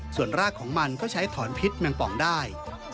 ส่วนรากของมันก็ใช้ถอนพิษแมงป่องได้